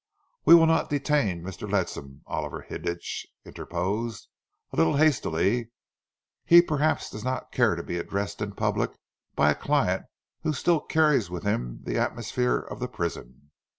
"We will not detain Mr. Ledsam," Oliver Hilditch interposed, a little hastily. "He perhaps does not care to be addressed in public by a client who still carries with him the atmosphere of the prison.